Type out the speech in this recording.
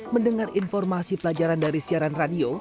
mendengar informasi pelajaran dari siaran radio